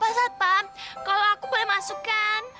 pasat pam kalau aku boleh masuk kan